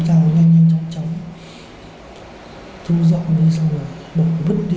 sao nhanh nhanh chóng chóng thu rộng đi xong rồi bỗng vứt đi